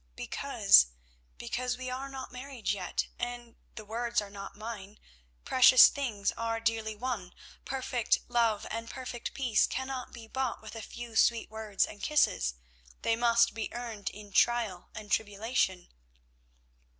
"Because, because, we are not married yet, and—the words are not mine—precious things are dearly won. Perfect love and perfect peace cannot be bought with a few sweet words and kisses; they must be earned in trial and tribulation."